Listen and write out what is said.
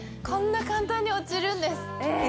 こんな簡単に落ちるんです